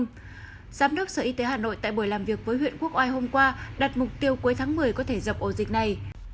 giám đốc sở y tế hà nội tại buổi làm việc với huyện quốc oai hôm qua đặt mục tiêu cuối tháng một mươi có thể dập ổ dịch này